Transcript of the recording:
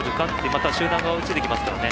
また集団が追いついてきますから。